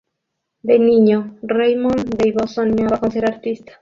De niño, Raymond Devos soñaba con ser artista.